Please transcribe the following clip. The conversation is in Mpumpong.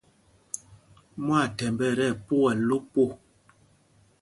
Mwaathɛmb ɛ tí ɛpukɛl lo po.